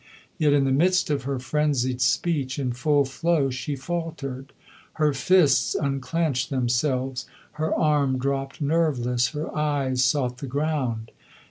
Yet in the midst of her frenzied speech, in full flow, she faltered. Her fists unclenched themselves, her arm dropped nerveless, her eyes sought the ground.